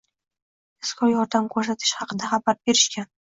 Tezkor yordam koʻrsatish haqida xabar berishgan